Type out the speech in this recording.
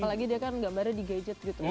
apalagi dia kan gambarnya di gadget gitu